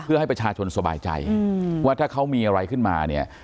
เพื่อให้ประชาชนสบายใจว่าถ้าเขามีอะไรขึ้นมาเนี่ย